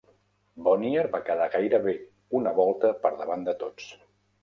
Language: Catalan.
Bonnier va quedar gairebé una volta per davant de tots.